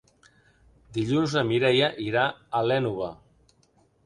Dilluns na Mireia irà a l'Énova.